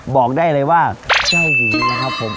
บอกได้เลยว่าเจ้าหญิงนะครับผม